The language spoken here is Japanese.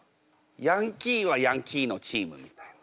ヤンキーはヤンキーのチームみたいな。